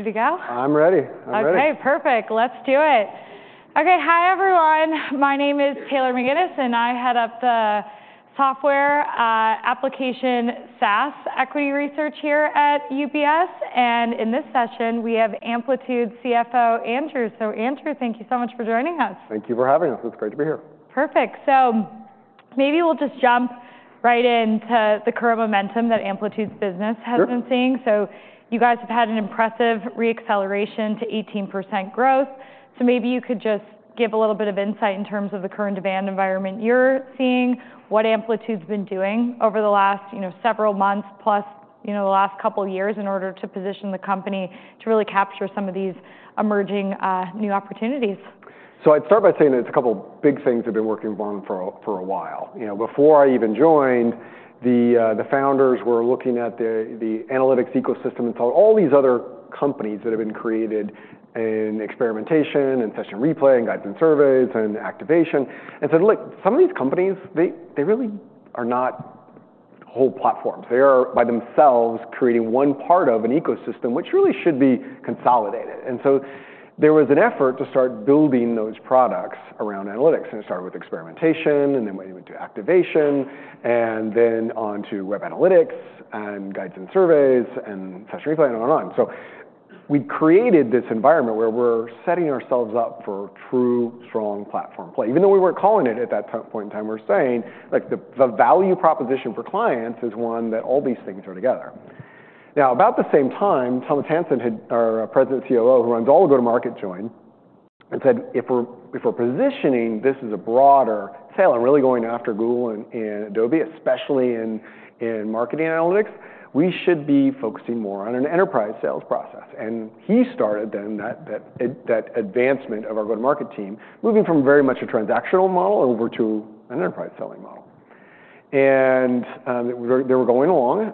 Ready to go? I'm ready. I'm ready. Okay, perfect. Let's do it. Okay, hi everyone. My name is Taylor McGinnis, and I head up the software application SaaS equity research here at UBS, and in this session, we have Amplitude CFO, Andrew, so Andrew, thank you so much for joining us. Thank you for having us. It's great to be here. Perfect. So maybe we'll just jump right into the current momentum that Amplitude's business has been seeing. So you guys have had an impressive reacceleration to 18% growth. So maybe you could just give a little bit of insight in terms of the current demand environment you're seeing, what Amplitude's been doing over the last several months, plus the last couple of years in order to position the company to really capture some of these emerging new opportunities? I'd start by saying that it's a couple of big things I've been working on for a while. Before I even joined, the founders were looking at the analytics ecosystem and saw all these other companies that have been created in experimentation and Session Replay and Guides and Surveys and activation. And said, look, some of these companies, they really are not whole platforms. They are by themselves creating one part of an ecosystem, which really should be consolidated. And so there was an effort to start building those products around analytics. And it started with experimentation, and then went into activation, and then on to Web Analytics and Guides and Surveys and Session Replay and on and on. So we created this environment where we're setting ourselves up for true strong platform play. Even though we weren't calling it at that point in time, we're saying the value proposition for clients is one that all these things are together. Now, about the same time, Thomas Hansen, our President and COO, who runs all the go-to-market, joined and said, if we're positioning this as a broader sale and really going after Google and Adobe, especially in marketing analytics, we should be focusing more on an enterprise sales process. He started then that advancement of our go-to-market team, moving from very much a transactional model over to an enterprise selling model. They were going along.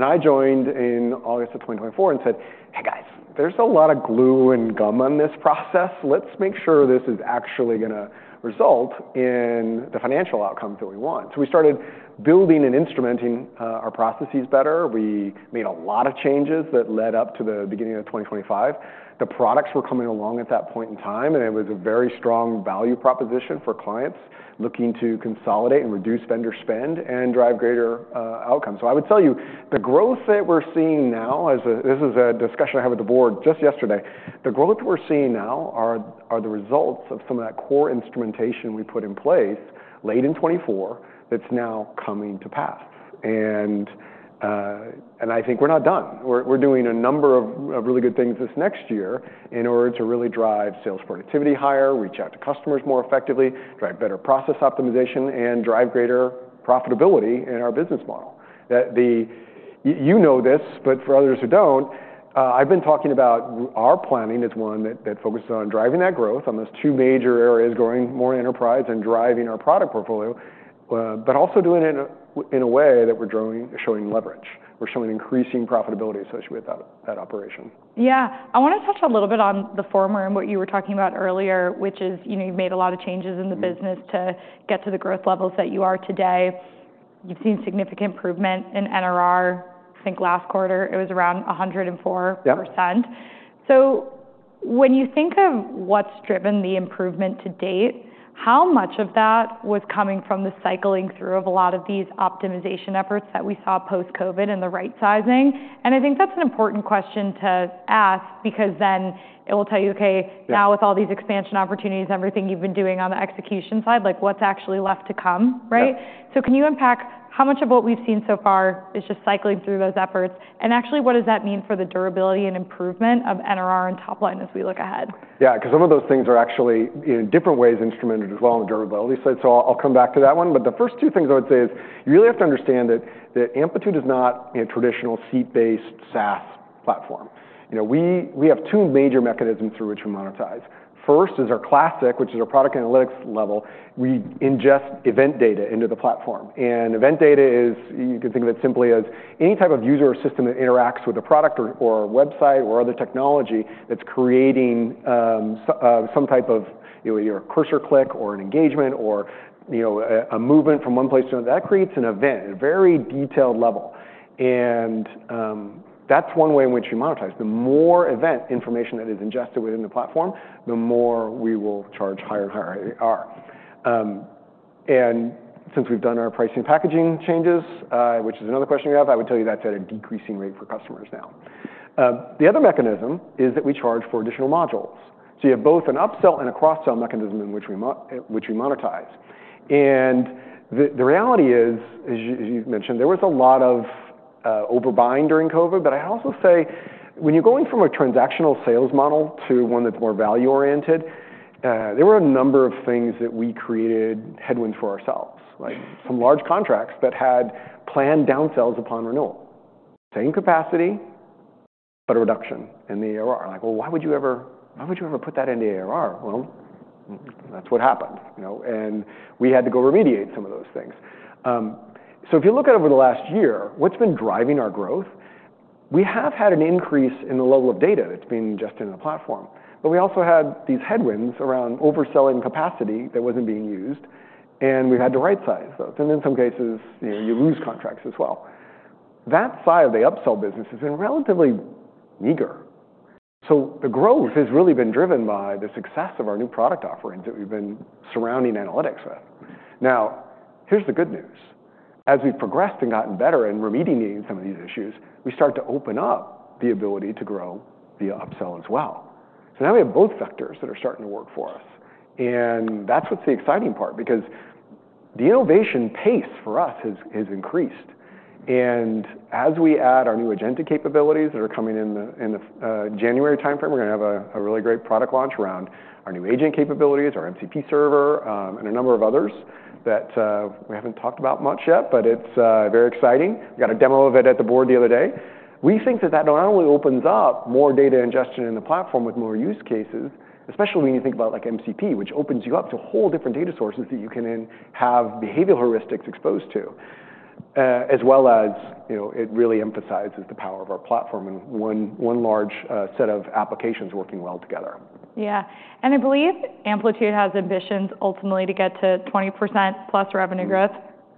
I joined in August of 2024 and said, hey, guys, there's a lot of glue and gum on this process. Let's make sure this is actually going to result in the financial outcomes that we want. We started building and instrumenting our processes better. We made a lot of changes that led up to the beginning of 2025. The products were coming along at that point in time, and it was a very strong value proposition for clients looking to consolidate and reduce vendor spend and drive greater outcomes. So I would tell you, the growth that we're seeing now, this is a discussion I had with the board just yesterday. The growth that we're seeing now are the results of some of that core instrumentation we put in place late in 2024 that's now coming to pass. And I think we're not done. We're doing a number of really good things this next year in order to really drive sales productivity higher, reach out to customers more effectively, drive better process optimization, and drive greater profitability in our business model. You know this, but for others who don't, I've been talking about our planning as one that focuses on driving that growth on those two major areas, growing more enterprise and driving our product portfolio, but also doing it in a way that we're showing leverage. We're showing increasing profitability associated with that operation. Yeah. I want to touch a little bit on the former and what you were talking about earlier, which is you've made a lot of changes in the business to get to the growth levels that you are today. You've seen significant improvement in NRR. I think last quarter, it was around 104%. So when you think of what's driven the improvement to date, how much of that was coming from the cycling through of a lot of these optimization efforts that we saw post-COVID and the right-sizing? And I think that's an important question to ask because then it will tell you, okay, now with all these expansion opportunities, everything you've been doing on the execution side, what's actually left to come? Right? So can you unpack how much of what we've seen so far is just cycling through those efforts? Actually, what does that mean for the durability and improvement of NRR and top line as we look ahead? Yeah, because some of those things are actually in different ways instrumented as well on the durability side. So I'll come back to that one. But the first two things I would say is you really have to understand that Amplitude is not a traditional seat-based SaaS platform. We have two major mechanisms through which we monetize. First is our classic, which is our product analytics level. We ingest event data into the platform. And event data is, you can think of it simply as any type of user or system that interacts with a product or a website or other technology that's creating some type of either a cursor click or an engagement or a movement from one place to another. That creates an event at a very detailed level. And that's one way in which we monetize. The more event information that is ingested within the platform, the more we will charge higher and higher. And since we've done our pricing packaging changes, which is another question you have, I would tell you that's at a decreasing rate for customers now. The other mechanism is that we charge for additional modules. So you have both an upsell and a cross-sell mechanism in which we monetize. And the reality is, as you mentioned, there was a lot of overbuying during COVID. But I'd also say when you're going from a transactional sales model to one that's more value-oriented, there were a number of things that we created headwinds for ourselves, like some large contracts that had planned downsells upon renewal. Same capacity, but a reduction in the ARR. Like, well, why would you ever put that into ARR? Well, that's what happened. We had to go remediate some of those things. If you look at over the last year, what's been driving our growth, we have had an increase in the level of data that's been ingested in the platform. We also had these headwinds around overselling capacity that wasn't being used. We've had to right-size those. In some cases, you lose contracts as well. That side of the upsell business has been relatively meager. The growth has really been driven by the success of our new product offerings that we've been surrounding analytics with. Now, here's the good news. As we've progressed and gotten better in remediating some of these issues, we start to open up the ability to grow via upsell as well. Now we have both vectors that are starting to work for us. That's what's the exciting part because the innovation pace for us has increased. As we add our new agentic capabilities that are coming in the January timeframe, we're going to have a really great product launch around our new agent capabilities, our MCP Server, and a number of others that we haven't talked about much yet, but it's very exciting. We got a demo of it at the board the other day. We think that that not only opens up more data ingestion in the platform with more use cases, especially when you think about MCP, which opens you up to a whole different data sources that you can have behavioral heuristics exposed to, as well as it really emphasizes the power of our platform and one large set of applications working well together. Yeah. And I believe Amplitude has ambitions ultimately to get to 20% plus revenue growth.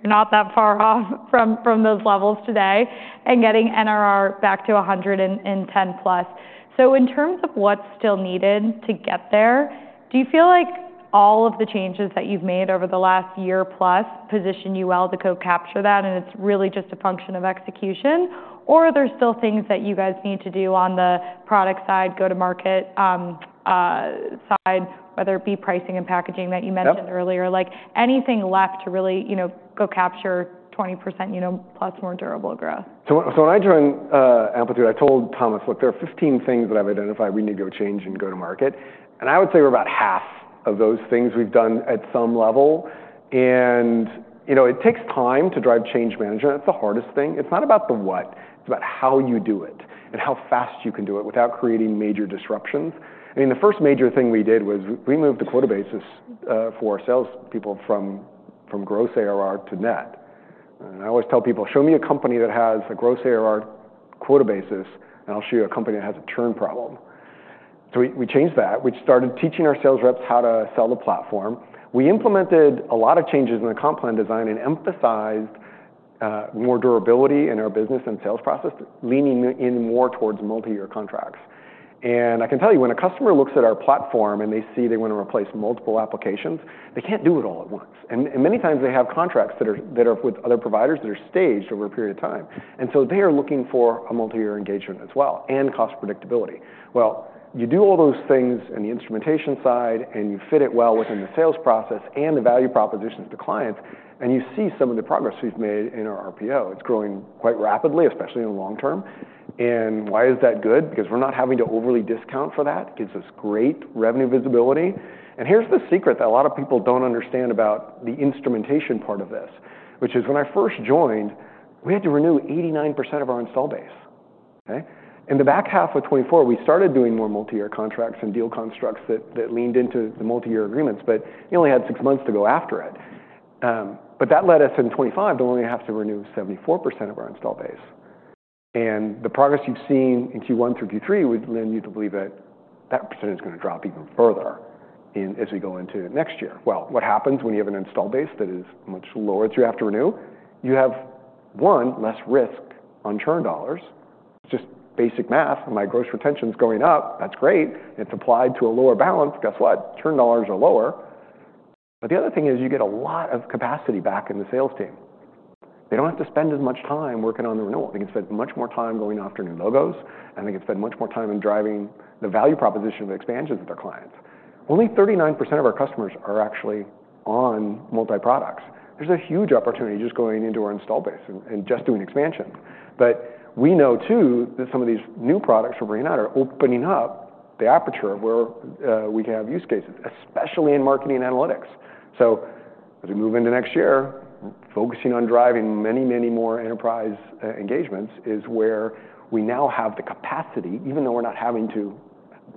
We're not that far off from those levels today and getting NRR back to 110% plus. So in terms of what's still needed to get there, do you feel like all of the changes that you've made over the last year plus position you well to go capture that? And it's really just a function of execution. Or are there still things that you guys need to do on the product side, go-to-market side, whether it be pricing and packaging that you mentioned earlier, like anything left to really go capture 20% plus more durable growth? When I joined Amplitude, I told Thomas, "Look, there are 15 things that I've identified we need to go change in go-to-market." I would say we're about half of those things we've done at some level. It takes time to drive change management. That's the hardest thing. It's not about the what. It's about how you do it and how fast you can do it without creating major disruptions. I mean, the first major thing we did was we moved the quota basis for our salespeople from gross ARR to net. I always tell people, "Show me a company that has a gross ARR quota basis, and I'll show you a company that has a churn problem." We changed that. We started teaching our sales reps how to sell the platform. We implemented a lot of changes in the comp plan design and emphasized more durability in our business and sales process, leaning in more towards multi-year contracts, and I can tell you, when a customer looks at our platform and they see they want to replace multiple applications, they can't do it all at once, and many times they have contracts that are with other providers that are staged over a period of time, and so they are looking for a multi-year engagement as well and cost predictability, well, you do all those things in the instrumentation side, and you fit it well within the sales process and the value propositions to clients, and you see some of the progress we've made in our RPO. It's growing quite rapidly, especially in the long term, and why is that good? Because we're not having to overly discount for that. It gives us great revenue visibility. And here's the secret that a lot of people don't understand about the instrumentation part of this, which is when I first joined, we had to renew 89% of our installed base. In the back half of 2024, we started doing more multi-year contracts and deal constructs that leaned into the multi-year agreements, but you only had six months to go after it. But that led us in 2025 to only have to renew 74% of our installed base. And the progress you've seen in Q1 through Q3 would lend you to believe that that percentage is going to drop even further as we go into next year. Well, what happens when you have an installed base that is much lower than you have to renew? You have one less risk on churn dollars. It's just basic math. My gross retention is going up. That's great. It's applied to a lower balance. Guess what? Churn dollars are lower. But the other thing is you get a lot of capacity back in the sales team. They don't have to spend as much time working on the renewal. They can spend much more time going after new logos, and they can spend much more time in driving the value proposition of expansions with their clients. Only 39% of our customers are actually on multi-products. There's a huge opportunity just going into our install base and just doing expansions. But we know, too, that some of these new products we're bringing out are opening up the aperture where we can have use cases, especially in marketing analytics. So as we move into next year, focusing on driving many, many more enterprise engagements is where we now have the capacity, even though we're not having to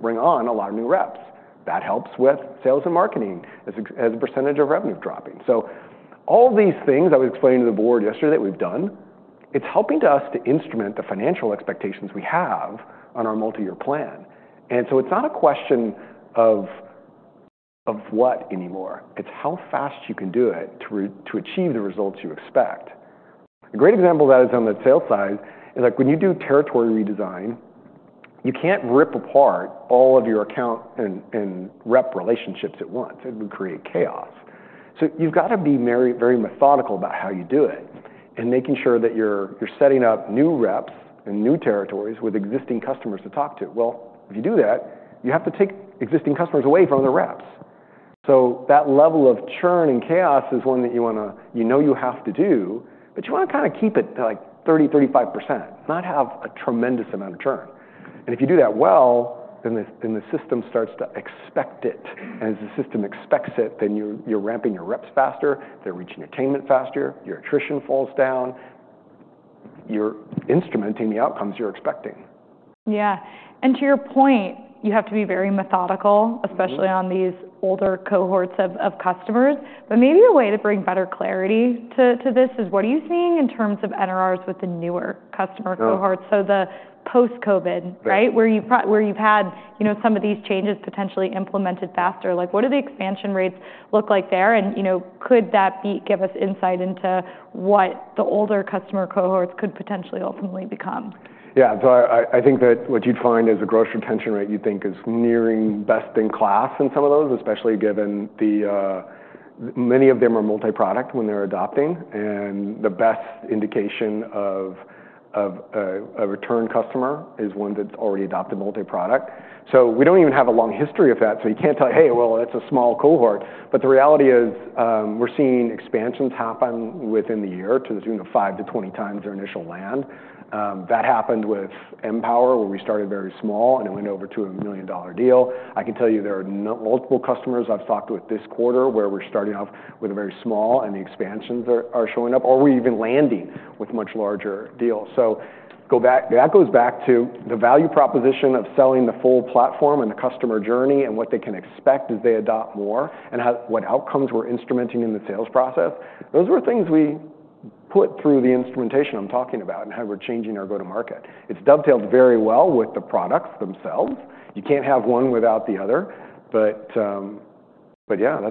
bring on a lot of new reps. That helps with sales and marketing as a percentage of revenue dropping. So all these things I was explaining to the board yesterday that we've done, it's helping us to instrument the financial expectations we have on our multi-year plan. And so it's not a question of what anymore. It's how fast you can do it to achieve the results you expect. A great example of that is on the sales side is when you do territory redesign, you can't rip apart all of your account and rep relationships at once. It would create chaos. So you've got to be very methodical about how you do it and making sure that you're setting up new reps and new territories with existing customers to talk to. Well, if you do that, you have to take existing customers away from the reps. So that level of churn and chaos is one that you know you have to do, but you want to kind of keep it like 30%-35%, not have a tremendous amount of churn. And if you do that well, then the system starts to expect it. And as the system expects it, then you're ramping your reps faster. They're reaching attainment faster. Your attrition falls down. You're instrumenting the outcomes you're expecting. Yeah. And to your point, you have to be very methodical, especially on these older cohorts of customers. But maybe a way to bring better clarity to this is what are you seeing in terms of NRRs with the newer customer cohorts? So the post-COVID, right, where you've had some of these changes potentially implemented faster. What do the expansion rates look like there? And could that give us insight into what the older customer cohorts could potentially ultimately become? Yeah. So I think that what you'd find is a gross retention rate you think is nearing best in class in some of those, especially given many of them are multi-product when they're adopting. The best indication of a return customer is one that's already adopted multi-product. So we don't even have a long history of that. So you can't tell it, hey, well, that's a small cohort. But the reality is we're seeing expansions happen within the year to as soon as five to 20 times their initial land. That happened with Empower, where we started very small and it went over to a $1 million deal. I can tell you there are multiple customers I've talked with this quarter where we're starting off with a very small and the expansions are showing up, or we're even landing with much larger deals. So that goes back to the value proposition of selling the full platform and the customer journey and what they can expect as they adopt more and what outcomes we're instrumenting in the sales process. Those were things we put through the instrumentation I'm talking about and how we're changing our go-to-market. It's dovetailed very well with the products themselves. You can't have one without the other. But yeah,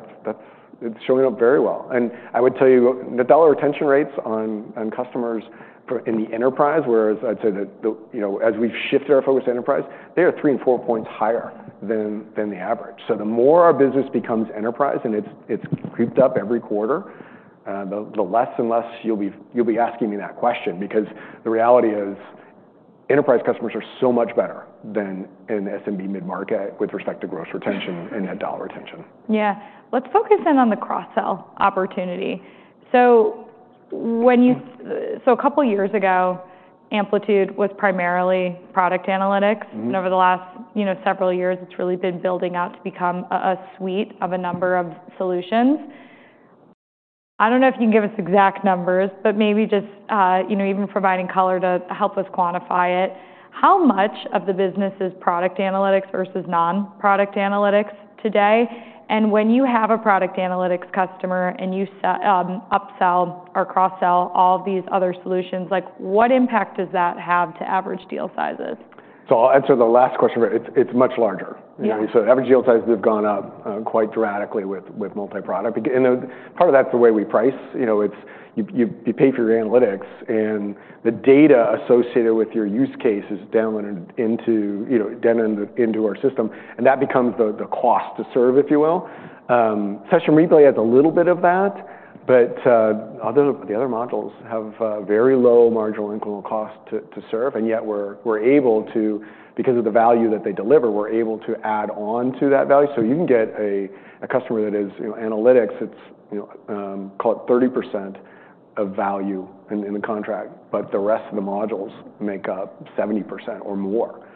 it's showing up very well. And I would tell you the dollar retention rates on customers in the enterprise, whereas I'd say that as we've shifted our focus to enterprise, they are three and four points higher than the average. So the more our business becomes enterprise and it's crept up every quarter, the less and less you'll be asking me that question because the reality is enterprise customers are so much better than an SMB mid-market with respect to gross retention and net dollar retention. Yeah. Let's focus in on the cross-sell opportunity. So a couple of years ago, Amplitude was primarily product analytics. And over the last several years, it's really been building out to become a suite of a number of solutions. I don't know if you can give us exact numbers, but maybe just even providing color to help us quantify it. How much of the business is product analytics versus non-product analytics today? And when you have a product analytics customer and you upsell or cross-sell all of these other solutions, what impact does that have to average deal sizes? I'll answer the last question, but it's much larger. Average deal sizes have gone up quite dramatically with multi-product. Part of that's the way we price. You pay for your analytics, and the data associated with your use case is downloaded into our system. That becomes the cost to serve, if you will. Session Replay has a little bit of that, but the other modules have very low marginal incremental cost to serve. Yet we're able to, because of the value that they deliver, add on to that value. You can get a customer that is analytics. It's called 30% of value in the contract, but the rest of the modules make up 70% or more.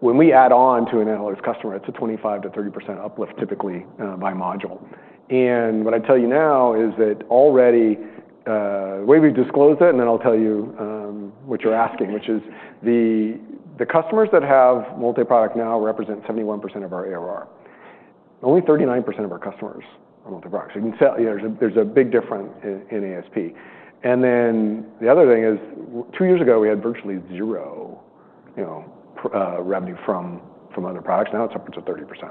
When we add on to an analytics customer, it's a 25%-30% uplift typically by module. And what I tell you now is that already the way we've disclosed it, and then I'll tell you what you're asking, which is the customers that have multi-product now represent 71% of our ARR. Only 39% of our customers are multi-products. There's a big difference in ASP. And then the other thing is two years ago, we had virtually zero revenue from other products. Now it's up to 30%.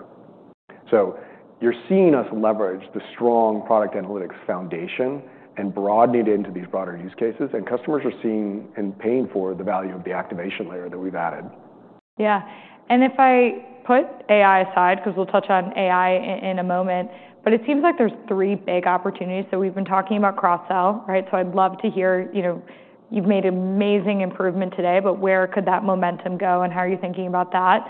So you're seeing us leverage the strong product analytics foundation and broaden it into these broader use cases. And customers are seeing and paying for the value of the activation layer that we've added. Yeah. And if I put AI aside, because we'll touch on AI in a moment, but it seems like there's three big opportunities. So we've been talking about cross-sell, right? So I'd love to hear you've made amazing improvement today, but where could that momentum go and how are you thinking about that?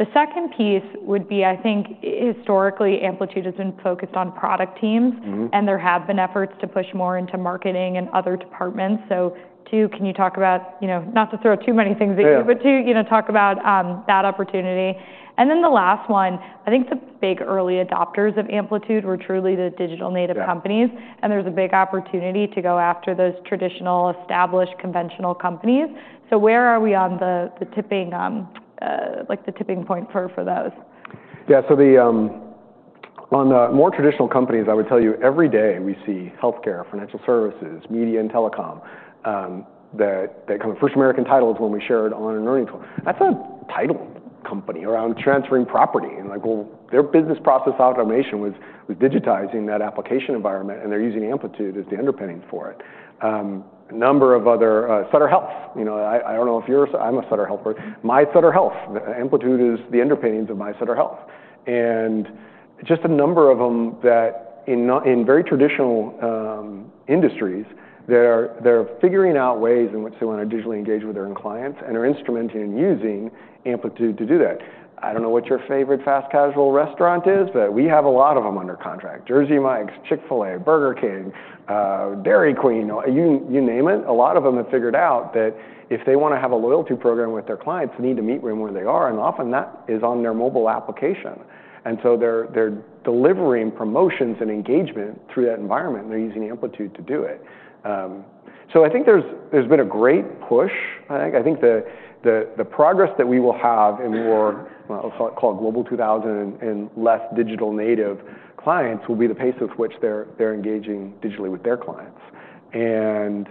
The second piece would be, I think historically Amplitude has been focused on product teams, and there have been efforts to push more into marketing and other departments. So two, can you talk about, not to throw too many things at you, but two, talk about that opportunity? And then the last one, I think the big early adopters of Amplitude were truly the digital native companies. And there's a big opportunity to go after those traditional established conventional companies. So where are we on the tipping point for those? Yeah. So on the more traditional companies, I would tell you every day we see healthcare, financial services, media, and telecom, that kind of First American Title when we shared on an earnings call. That's a title company around transferring property. And their business process automation was digitizing that application environment, and they're using Amplitude as the underpinning for it. A number of others. Sutter Health. I don't know if you're a Sutter Health, but my Sutter Health, Amplitude is the underpinnings of my Sutter Health. And just a number of them that in very traditional industries, they're figuring out ways in which they want to digitally engage with their own clients and are instrumenting and using Amplitude to do that. I don't know what your favorite fast casual restaurant is, but we have a lot of them under contract. Jersey Mike's, Chick-fil-A, Burger King, Dairy Queen, you name it. A lot of them have figured out that if they want to have a loyalty program with their clients, they need to meet with them where they are. And often that is on their mobile application. And so they're delivering promotions and engagement through that environment. They're using Amplitude to do it. So I think there's been a great push. I think the progress that we will have in more, I'll call it Global 2000 and less digital native clients will be the pace with which they're engaging digitally with their clients. And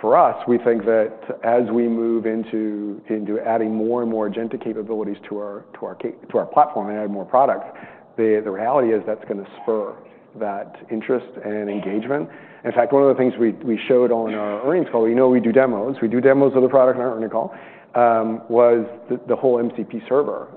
for us, we think that as we move into adding more and more agentic capabilities to our platform and add more products, the reality is that's going to spur that interest and engagement. In fact, one of the things we showed on our earnings call, we know we do demos. We do demos of the product in our earnings call, was the whole MCP Server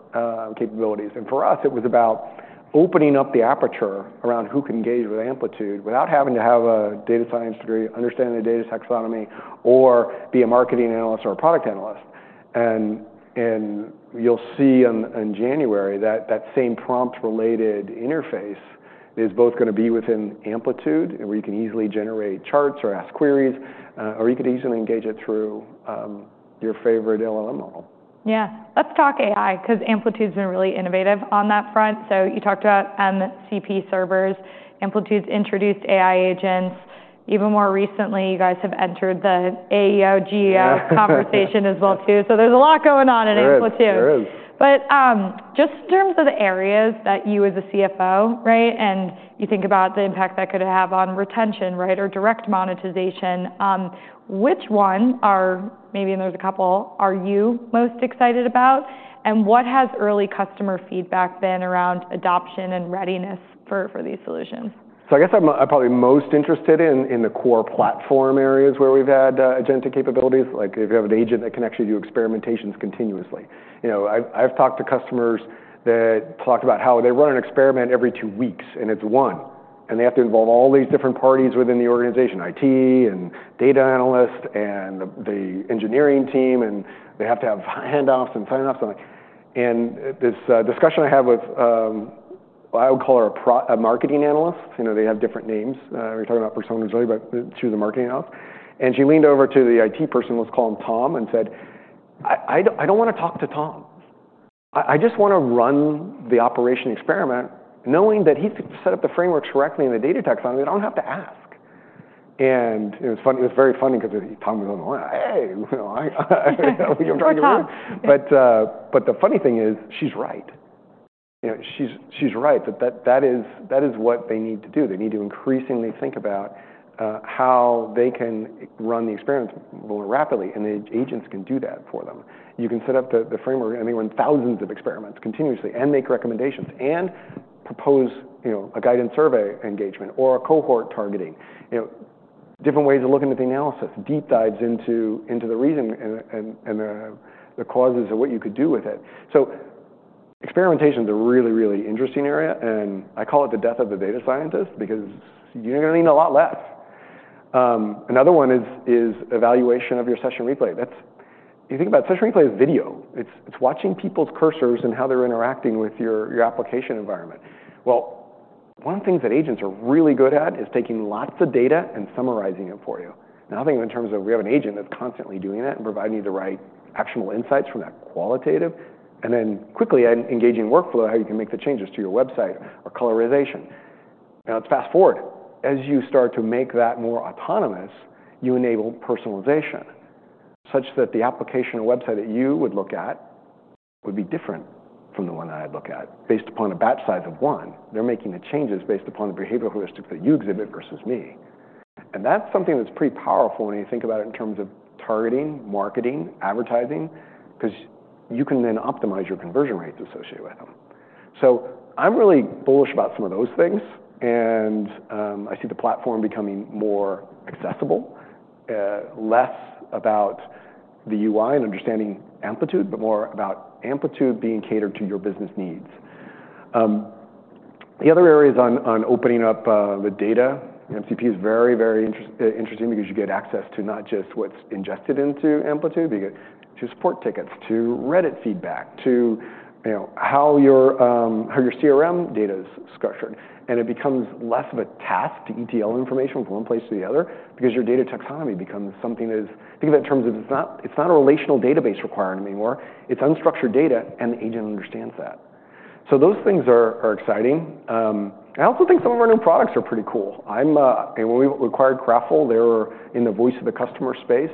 capabilities. And for us, it was about opening up the aperture around who can engage with Amplitude without having to have a data science degree, understand the data taxonomy, or be a marketing analyst or a product analyst. And you'll see in January that that same prompt-related interface is both going to be within Amplitude, where you can easily generate charts or ask queries, or you could easily engage it through your favorite LLM model. Yeah. Let's talk AI because Amplitude has been really innovative on that front. So you talked about MCP Servers. Amplitude's introduced AI agents. Even more recently, you guys have entered the AEO, GEO conversation as well, too. So there's a lot going on in Amplitude. But just in terms of the areas that you as a CFO, right, and you think about the impact that could have on retention, right, or direct monetization, which one are, maybe there's a couple, are you most excited about? And what has early customer feedback been around adoption and readiness for these solutions? So I guess I'm probably most interested in the core platform areas where we've had agentic capabilities, like if you have an agent that can actually do experimentations continuously. I've talked to customers that talked about how they run an experiment every two weeks, and it's one. And they have to involve all these different parties within the organization, IT and data analysts and the engineering team, and they have to have handoffs and sign-offs. And this discussion I had with, I would call her a marketing analyst. They have different names. We were talking about personas earlier, but she was a marketing analyst. And she leaned over to the IT person, let's call him Tom, and said, "I don't want to talk to Tom. I just want to run the operation experiment knowing that he's set up the frameworks correctly and the data taxonomy. I don't have to ask." And it was very funny because Tom was on the line. "Hey, you're trying to get around." But the funny thing is she's right. She's right. That is what they need to do. They need to increasingly think about how they can run the experiments more rapidly, and the agents can do that for them. You can set up the framework and run thousands of experiments continuously and make recommendations and propose a guidance survey engagement or a cohort targeting, different ways of looking at the analysis, deep dives into the reason and the causes of what you could do with it. So experimentation is a really, really interesting area. And I call it the death of the data scientist because you're going to need a lot less. Another one is evaluation of your session replay. If you think about session replay as video, it's watching people's cursors and how they're interacting with your application environment. One of the things that agents are really good at is taking lots of data and summarizing it for you. And I think in terms of we have an agent that's constantly doing that and providing you the right actionable insights from that qualitative and then quickly engaging workflow, how you can make the changes to your website or colorization. Now, let's fast forward. As you start to make that more autonomous, you enable personalization such that the application or website that you would look at would be different from the one that I'd look at based upon a batch size of one. They're making the changes based upon the behavioral heuristics that you exhibit versus me. And that's something that's pretty powerful when you think about it in terms of targeting, marketing, advertising, because you can then optimize your conversion rates associated with them. So I'm really bullish about some of those things. And I see the platform becoming more accessible, less about the UI and understanding Amplitude, but more about Amplitude being catered to your business needs. The other areas on opening up the data, MCP is very, very interesting because you get access to not just what's ingested into Amplitude, but you get to support tickets, to Reddit feedback, to how your CRM data is structured. And it becomes less of a task to ETL information from one place to the other because your data taxonomy becomes something that is, think of it in terms of it's not a relational database requirement anymore. It's unstructured data, and the agent understands that. Those things are exciting. I also think some of our new products are pretty cool. When we acquired Kraftful, they were in the voice of the customer space.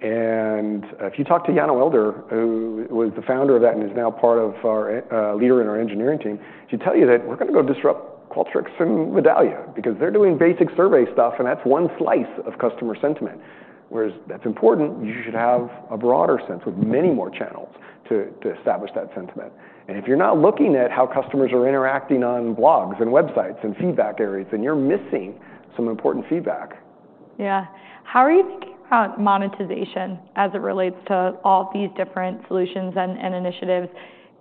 And if you talk to Yana Welinder, who was the founder of that and is now part of our leader in our engineering team, she'll tell you that we're going to go disrupt Qualtrics and Medallia because they're doing basic survey stuff, and that's one slice of customer sentiment. Whereas that's important, you should have a broader sense with many more channels to establish that sentiment. And if you're not looking at how customers are interacting on blogs and websites and feedback areas, then you're missing some important feedback. Yeah. How are you thinking about monetization as it relates to all these different solutions and initiatives?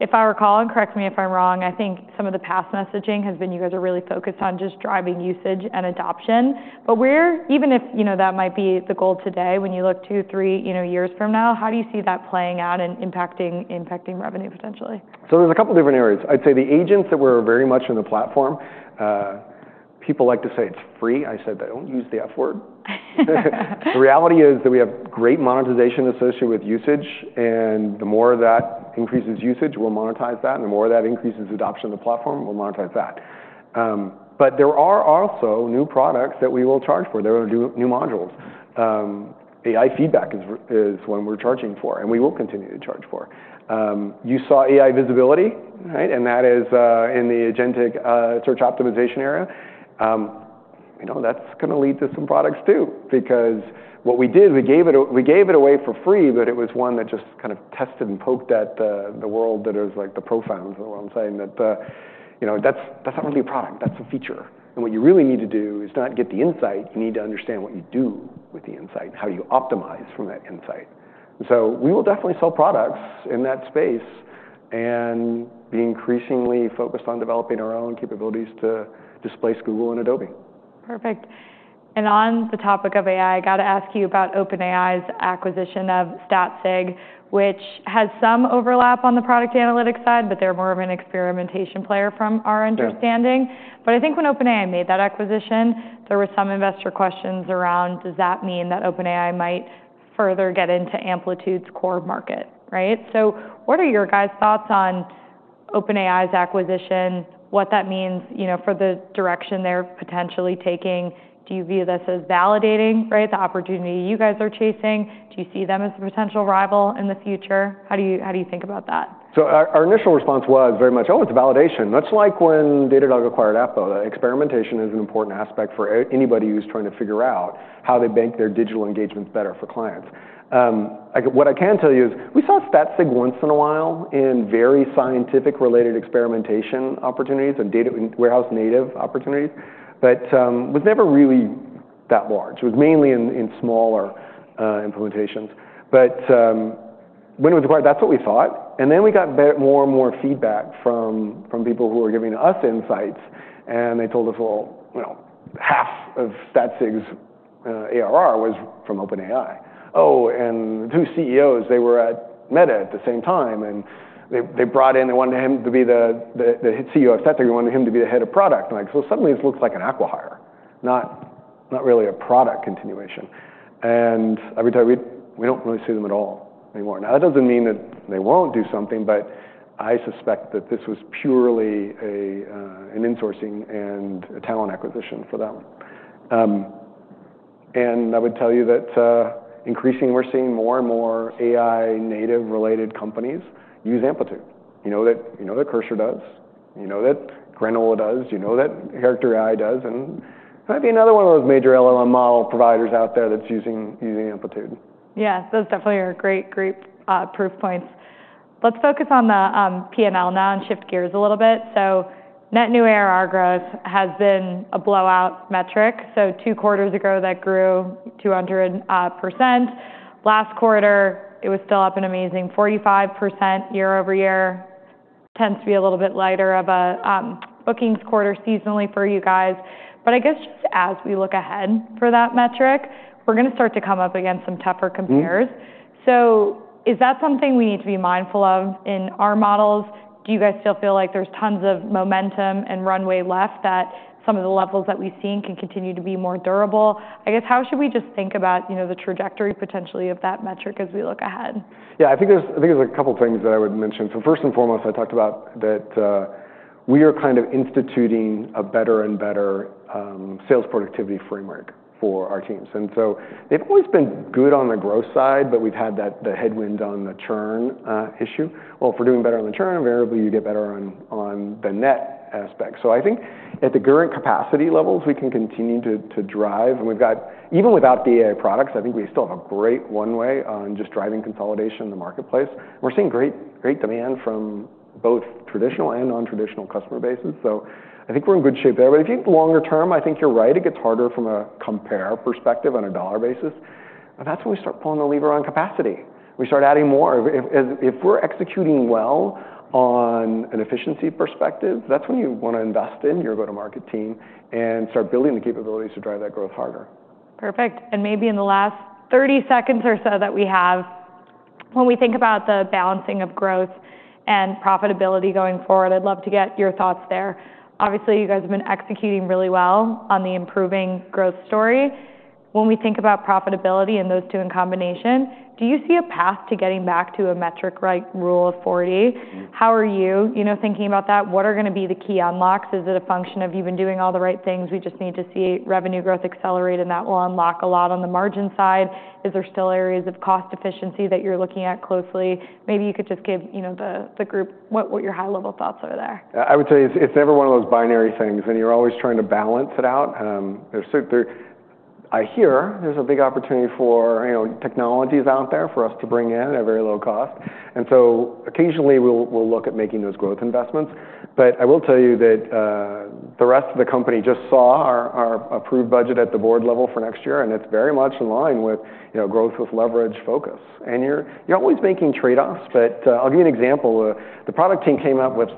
If I recall, and correct me if I'm wrong, I think some of the past messaging has been you guys are really focused on just driving usage and adoption. But even if that might be the goal today, when you look two, three years from now, how do you see that playing out and impacting revenue potentially? So there's a couple of different areas. I'd say the agents that were very much in the platform, people like to say it's free. I said they don't use the F word. The reality is that we have great monetization associated with usage. And the more that increases usage, we'll monetize that. And the more that increases adoption of the platform, we'll monetize that. But there are also new products that we will charge for. They're going to do new modules. AI feedback is one we're charging for, and we will continue to charge for. You saw AI visibility, right? And that is in the agentic search optimization area. That's going to lead to some products too because what we did, we gave it away for free, but it was one that just kind of tested and poked at the world that is like the profound, is what I'm saying. That's not really a product. That's a feature. And what you really need to do is not get the insight. You need to understand what you do with the insight and how you optimize from that insight. So we will definitely sell products in that space and be increasingly focused on developing our own capabilities to displace Google and Adobe. Perfect. And on the topic of AI, I got to ask you about OpenAI's acquisition of Statsig, which has some overlap on the product analytics side, but they're more of an experimentation player from our understanding. But I think when OpenAI made that acquisition, there were some investor questions around, does that mean that OpenAI might further get into Amplitude's core market, right? So what are your guys' thoughts on OpenAI's acquisition, what that means for the direction they're potentially taking? Do you view this as validating, right, the opportunity you guys are chasing? Do you see them as a potential rival in the future? How do you think about that? So our initial response was very much, oh, it's validation. Much like when Datadog acquired Apple, that experimentation is an important aspect for anybody who's trying to figure out how they bank their digital engagements better for clients. What I can tell you is we saw Statsig once in a while in very scientific-related experimentation opportunities and data warehouse-native opportunities, but it was never really that large. It was mainly in smaller implementations. But when it was acquired, that's what we thought. And then we got more and more feedback from people who were giving us insights. And they told us, well, half of Statsig's ARR was from OpenAI. Oh, and two CEOs, they were at Meta at the same time. And they brought in, they wanted him to be the CEO of Statsig. They wanted him to be the head of product. Suddenly it looks like an acquisition, not really a product continuation. And I would tell you, we don't really see them at all anymore. Now, that doesn't mean that they won't do something, but I suspect that this was purely an insourcing and a talent acquisition for them. And I would tell you that increasingly we're seeing more and more AI-native-related companies use Amplitude. You know that Cursor does. You know that Granola does. You know that Character.ai does. And it might be another one of those major LLM model providers out there that's using Amplitude. Yeah. Those definitely are great, great proof points. Let's focus on the P&L now and shift gears a little bit. So net new ARR growth has been a blowout metric. So two quarters ago, that grew 200%. Last quarter, it was still up an amazing 45% year over year. Tends to be a little bit lighter of a bookings quarter seasonally for you guys. But I guess just as we look ahead for that metric, we're going to start to come up against some tougher compares. So is that something we need to be mindful of in our models? Do you guys still feel like there's tons of momentum and runway left that some of the levels that we've seen can continue to be more durable? I guess how should we just think about the trajectory potentially of that metric as we look ahead? Yeah, I think there's a couple of things that I would mention. So first and foremost, I talked about that we are kind of instituting a better and better sales productivity framework for our teams. And so they've always been good on the growth side, but we've had the headwind on the churn issue. Well, if we're doing better on the churn, invariably you get better on the net aspect. So I think at the current capacity levels, we can continue to drive. And even without the AI products, I think we still have a great runway on just driving consolidation in the marketplace. We're seeing great demand from both traditional and non-traditional customer bases. So I think we're in good shape there. But if you think longer term, I think you're right. It gets harder from a comps perspective on a dollar basis. That's when we start pulling the lever on capacity. We start adding more. If we're executing well on an efficiency perspective, that's when you want to invest in your go-to-market team and start building the capabilities to drive that growth harder. Perfect. And maybe in the last 30 seconds or so that we have, when we think about the balancing of growth and profitability going forward, I'd love to get your thoughts there. Obviously, you guys have been executing really well on the improving growth story. When we think about profitability and those two in combination, do you see a path to getting back to a metric, right, Rule of 40? How are you thinking about that? What are going to be the key unlocks? Is it a function of you've been doing all the right things? We just need to see revenue growth accelerate and that will unlock a lot on the margin side. Is there still areas of cost efficiency that you're looking at closely? Maybe you could just give the group what your high-level thoughts are there. I would say it's never one of those binary things, and you're always trying to balance it out. I hear there's a big opportunity for technologies out there for us to bring in at a very low cost. And so occasionally we'll look at making those growth investments. But I will tell you that the rest of the company just saw our approved budget at the board level for next year, and it's very much in line with growth with leverage focus. And you're always making trade-offs, but I'll give you an example. The product team came up with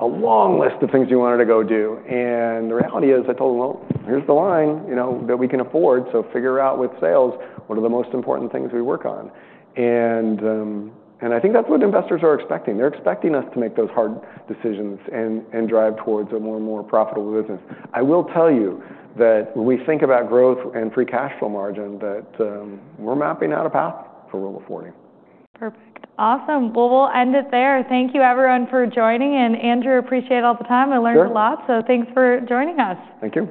a long list of things you wanted to go do. And the reality is I told them, well, here's the line that we can afford. So figure out with sales what are the most important things we work on. And I think that's what investors are expecting. They're expecting us to make those hard decisions and drive towards a more and more profitable business. I will tell you that when we think about growth and free cash flow margin, that we're mapping out a path for Rule of 40. Perfect. Awesome. Well, we'll end it there. Thank you, everyone, for joining. And Andrew, appreciate all the time. I learned a lot, so thanks for joining us. Thank you.